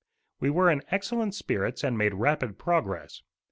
We were in excellent spirits and made rapid progress.